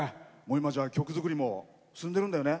曲作りも進んでるんだよね？